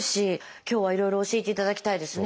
今日はいろいろ教えていただきたいですね。